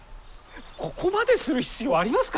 ここまでする必要ありますか？